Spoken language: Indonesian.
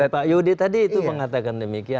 pak yudi tadi itu mengatakan demikian